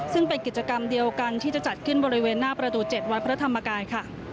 ซึ่งเป็นกิจกรรมเดียวกันที่จะจัดขึ้นบริเวณหน้าประตู๗วัดพระธรรมกายค่ะ